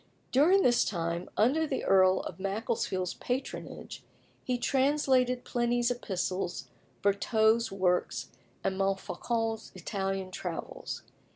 During this time, under the Earl of Macclesfield's patronage, he translated Pliny's epistles, Vertot's works, and Montfaucon's Italian travels.